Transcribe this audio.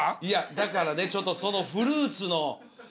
いやだからねちょっとそのフルーツの。